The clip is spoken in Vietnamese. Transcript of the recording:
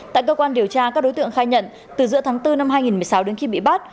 tại cơ quan điều tra các đối tượng khai nhận từ giữa tháng bốn năm hai nghìn một mươi sáu đến khi bị bắt